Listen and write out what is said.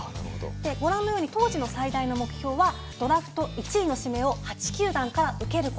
ご覧のように当時の最大の目標はドラフト１位の指名を８球団から受ける事。